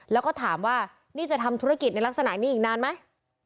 แล้วก็ถามว่านี่จะทำธุรกิจในลักษณะนี้อีกนานไหม